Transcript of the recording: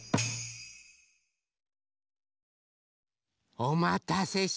おまたせしました。